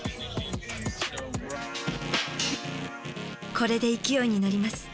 これで勢いに乗ります。